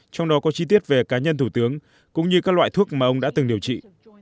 trong đó có chi tiết về cá nhân thủ tướng cũng như các loại thuốc mà ông đã từng điều trị